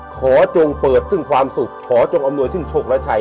จงเปิดซึ่งความสุขขอจงอำนวยซึ่งโฉกระชัย